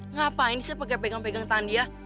ngapain sih pakai pegang pegang tangan dia